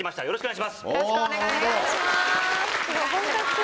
よろしくお願いします。